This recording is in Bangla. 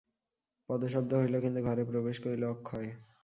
পদশব্দ হইল, কিন্তু ঘরে প্রবেশ করিল অক্ষয়।